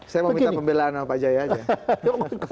saya mau minta pembelaan sama pak jaya aja